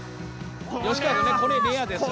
吉川君ねこれレアですね。